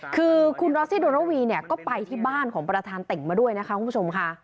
คือคุณรอซี่โดรวีเนี่ยก็ไปที่บ้านของประธานติ่งมาด้วยนะคะคุณผู้ชมค่ะ